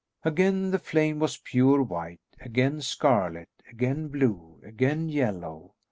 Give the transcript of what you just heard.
Again the flame was pure white; again scarlet; again blue; again yellow.